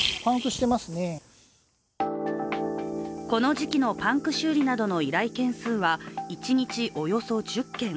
この時期のパンク修理などの依頼件数は１日およそ１０件。